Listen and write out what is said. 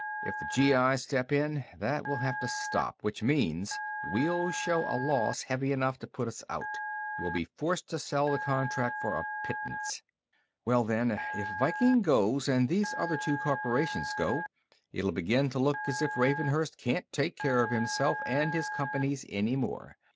If the GI's step in, that will have to stop which means we'll show a loss heavy enough to put us out. We'll be forced to sell the contract for a pittance. "Well, then. If Viking goes, and these other two corporations go, it'll begin to look as if Ravenhurst can't take care of himself and his companies anymore.